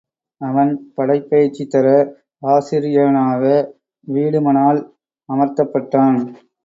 அவன் படைப் பயிற்சி தர ஆசிரியனாக வீடுமனால் அமர்த்தப் பட்டான்.